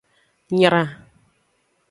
Nyra.